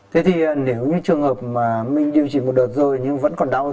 thế thì nếu như trường hợp mà mình điều trị một đợt rồi nhưng vẫn còn đau